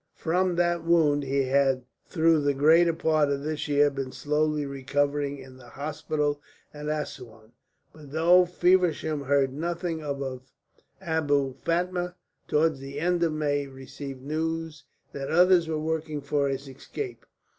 From that wound he had through the greater part of this year been slowly recovering in the hospital at Assouan. But though Feversham heard nothing of Abou Fatma, towards the end of May he received news that others were working for his escape.